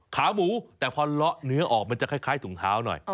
ขาหมูแต่พอเลาะเนื้อออกมันจะคล้ายถุงเท้าหน่อย